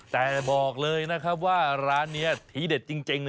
แต่บอกเลยครับว่าร้านนี้ธรีชเด็ดจริงเลยนะ